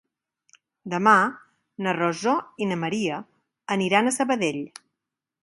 Demà na Rosó i na Maria aniran a Sabadell.